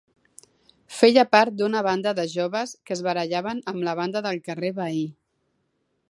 Feia part d'una banda de joves que es barallaven amb la banda del carrer veí.